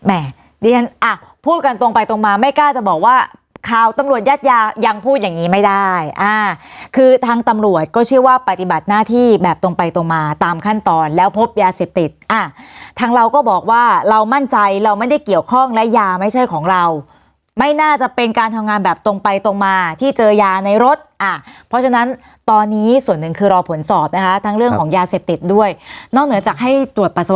อ่ะพูดกันตรงไปตรงมาไม่กล้าจะบอกว่าคราวตำรวจยัดยายังพูดอย่างนี้ไม่ได้อ่าคือทางตำรวจก็ชื่อว่าปฏิบัติหน้าที่แบบตรงไปตรงมาตามขั้นตอนแล้วพบยาเสพติดอ่ะทั้งเราก็บอกว่าเรามั่นใจเราไม่ได้เกี่ยวข้องและยาไม่ใช่ของเราไม่น่าจะเป็นการทำงานแบบตรงไปตรงมาที่เจอยาในรถอ่ะเพราะฉะนั้นตอนนี้ส่วนหนึ่ง